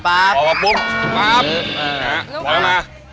พอไปมา